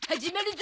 ぞ！